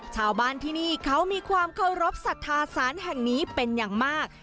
ชาวบ้านที่นี่เขามีความเคารพสัทธาศาลแห่งนี้เป็นอย่างมาก